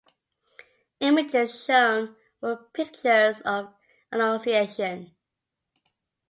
Images shown were pictures of Annunciation.